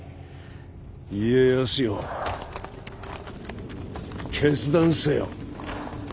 家康よ決断せよ。